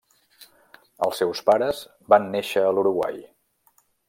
Els seus pares van néixer a l'Uruguai.